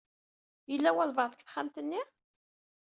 Yella walbaɛḍ deg texxamt-nni?